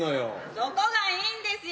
そこがいいんですよ。